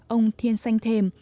ông thiên xanh thềm